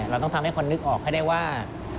เราต้องทำให้คนนึกออกให้ได้ว่า